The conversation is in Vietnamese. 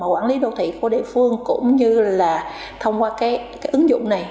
quản lý đô thị của địa phương cũng như là thông qua cái ứng dụng này